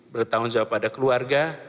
bertanggung jawaba pada keluarga